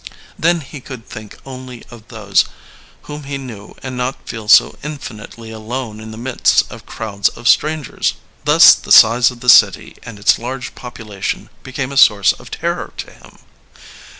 Then he could think only of those whom he knew and not feel so infinitely alone in the midst of crowds of strangers. '' Thus the size of the city and its large population became a source of terror to him.